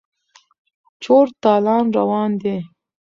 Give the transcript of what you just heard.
چور تالان روان دی.